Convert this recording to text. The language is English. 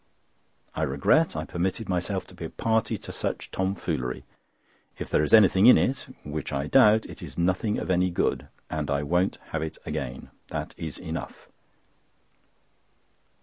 I regret I permitted myself to be a party to such tomfoolery. If there is anything in it—which I doubt—it is nothing of any good, and I won't have it again. That is enough."